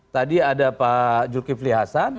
tadi ada pak julki flihassan